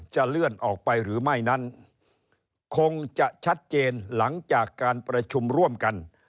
จะเลื่อนออกไปหรือไม่นั้นคงจะชัดเจนหลังจากการประชุมร่วมกัน